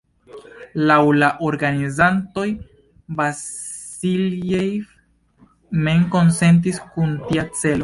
Laŭ la organizantoj, Vasiljev mem konsentis kun tia celo.